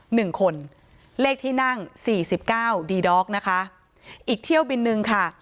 หนึ่งคนเลขที่นั่งสี่สิบเก้าดีด็อกนะคะอีกเที่ยวบินนึงค่ะ